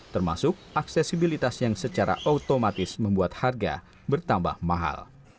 termasuk aksesibilitas yang secara otomatis membuat harga bertambah mahal